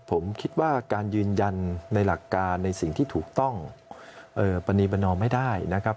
ผมคิดว่าการยืนยันในหลักการในสิ่งที่ถูกต้องปรณีประนอมไม่ได้นะครับ